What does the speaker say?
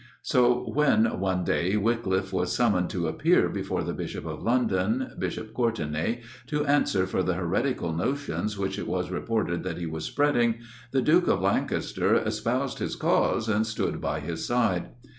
So when, one day, Wyclif was summoned to appear before the Bishop of London, Bishop Courtenay, to answer for the heretical notions which it was reported that he was spreading, the Duke of Lancaster espoused his cause, and stood by his side.